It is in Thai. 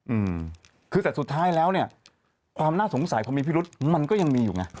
อืมคือแต่สุดท้ายแล้วเนี้ยความน่าสงสัยพอมีพิรุษมันก็ยังมีอยู่ไง